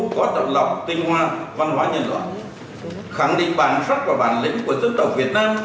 có động lọc tinh hoa văn hóa nhân loại khẳng định bản sắc và bản lĩnh của dân tộc việt nam